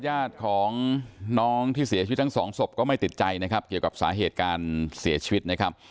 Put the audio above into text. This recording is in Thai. เย็ดของน้องที่เสียชีวิตทั้งสองศพก็ไม่ติดใจเกี่ยวกับสาเหตุการณ์เสียชีวิต